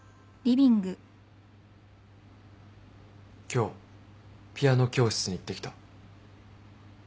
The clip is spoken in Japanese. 今日ピアノ教室に行ってきた。